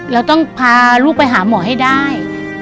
เราต้องพาลูกไปหาหมอให้ได้